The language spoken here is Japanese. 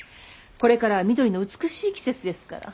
これからは緑の美しい季節ですから。